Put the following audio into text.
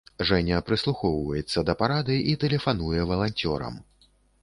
Жэня прыслухоўваецца да парады і тэлефануе валанцёрам.